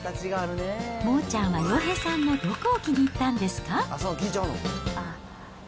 モーちゃんは洋平さんのどこを気に入ったんですか？